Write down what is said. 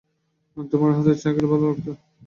তোমার হাতের চা খেলে ভালো লাগত।